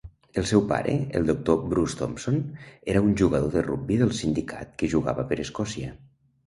El seu pare, el doctor Bruce Thomson, era un jugador de rugbi del sindicat que jugava per Escòcia.